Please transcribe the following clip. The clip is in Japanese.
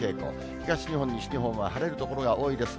東日本、西日本は晴れる所が多いです。